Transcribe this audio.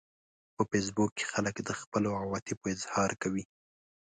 په فېسبوک کې خلک د خپلو عواطفو اظهار کوي